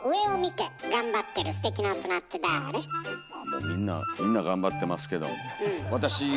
もうみんなみんながんばってますけど私が！